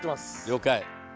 了解！